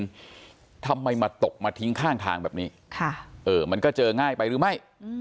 ทำไมมาตกมาทิ้งข้างทางแบบนี้มันก็เจอง่ายไปหรือไม่